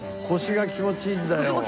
腰が気持ちいいんだよ。